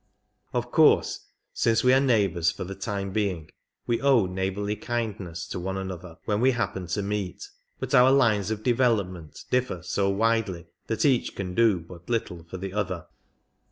Of course since we are neighbours for the time being we owe neighbourly kindness to one another when we happen to meet, but our lines of develop ment differ so widely that each can do but little for the other.